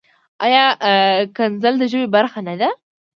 ایا کنځل د ژبې برخه نۀ ده؟